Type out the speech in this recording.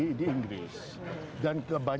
dan kebanyakan orang orang itu mengajar